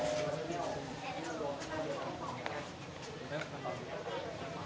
ที่กินใกล้ใกล้๔๕กิโลกรัมนะครับ